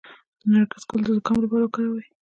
د نرګس ګل د زکام لپاره وکاروئ